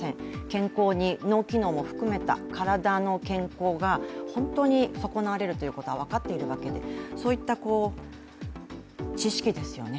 健康に、脳機能も含めた体の健康が本当に損なわれることは分かっているわけで、そういった知識ですよね